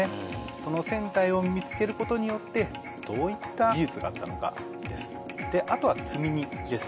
その船体を見つけることによってどういった技術があったのかですであとは積み荷です